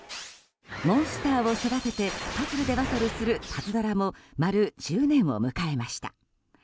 モンスターを育ててパズルでバトルする「パズドラ」も丸１０年を迎えました。